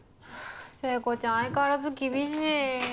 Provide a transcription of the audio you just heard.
聖子ちゃん相変わらず厳しい。